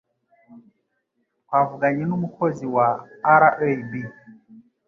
Twavuganye n'umukozi wa RAB